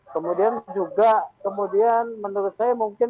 kemudian juga kemudian menurut saya mungkin